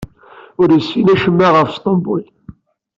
Ur yessin acemma ɣef Sṭembul.